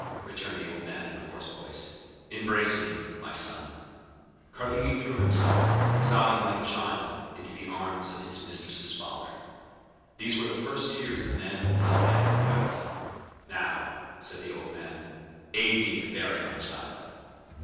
returned the old man in a hoarse voice; 'embrace me, my son.' 20115m Carlini threw himself, sobbing like a child, into the arms of his mistress's father. These were the first tears the man of blood had ever wept. "'Now,' said the old man, 'aid me to bury my child.